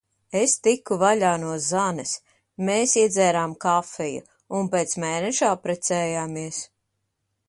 Es tiku vaļā no Zanes. Mēs iedzērām kafiju. Un pēc mēneša apprecējāmies.